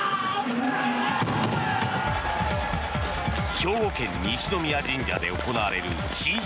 兵庫県・西宮神社で行われる新春